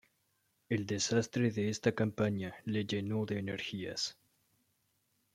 El desastre de esta campaña le llenó de energías.